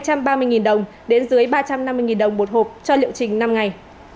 như vậy giá thuốc giao động từ hai trăm ba mươi đồng đến dưới ba trăm năm mươi đồng một hộp cho liệu trình năm ngày